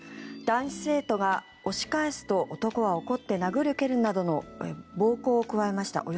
男子生徒が押し返すと男は怒って殴る蹴るなどの暴行を加えました。